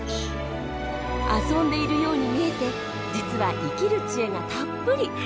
遊んでいるように見えて実は生きる知恵がたっぷり。